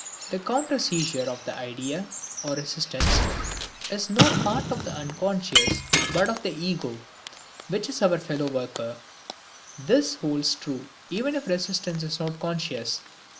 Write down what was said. The counter seizure of the idea or resistance is not part of the unconscious but of the ego, which is our fellow worker. This holds true even if resistance is not conscious.